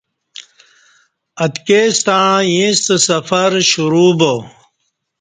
اتکی ستݩع ییݩستہ سفر شرو با